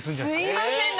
すいません